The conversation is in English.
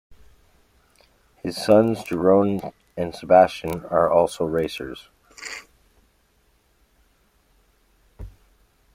His sons Jeroen and Sebastiaan, are also racers.